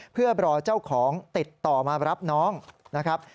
เพื่อรอเจ้าของติดต่อมารับน้องนะครับ